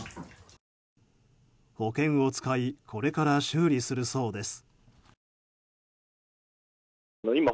保険を使いこれから修理するそうです。